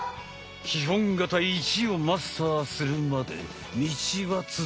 基本形１をマスターするまで道は続く。